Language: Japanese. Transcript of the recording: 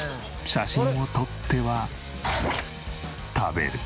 写真を撮っては食べる。